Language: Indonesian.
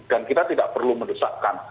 dan kita tidak perlu mendesakkan